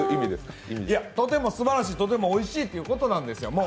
とてもすばらしい、とてもおいしいということなんですよ。